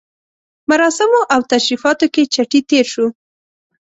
مراسمو او تشریفاتو کې چټي تېر شو.